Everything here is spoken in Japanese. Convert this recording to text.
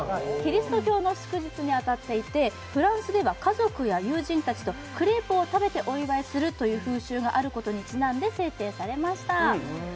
キリスト教の祝日に当たっていて、フランスでは家族や友人たちとクレープを食べてお祝いするという風習があることにちなんで制定されました。